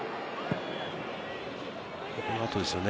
この後ですよね。